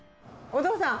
「お父さん！」